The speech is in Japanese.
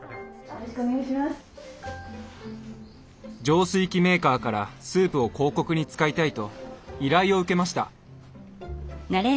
浄水器メーカーからスープを広告に使いたいと依頼を受けました。